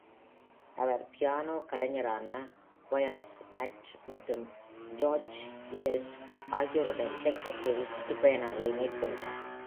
அவர் piano கலைஞரான Yves Nat மற்றும் George Enescu ஆகியோருடன் இசைக் கச்சேரி சுற்றுப்பயணங்களை மேற்கொண்டார்.